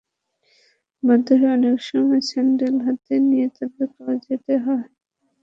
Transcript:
বাধ্য হয়ে অনেক সময় স্যান্ডেল হাতে নিয়ে তাঁদের কলেজে যেতে হয়।